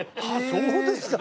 そうですか！